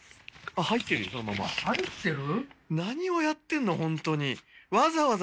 入ってる？